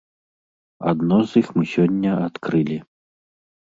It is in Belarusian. Адно з іх мы сёння адкрылі.